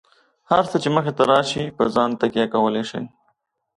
هر څه چې مخې ته راشي، په ځان تکیه کولای شئ.